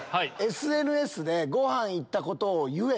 ＳＮＳでごはん行ったことを言え！